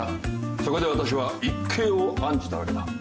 そこで私は一計を案じたわけだ。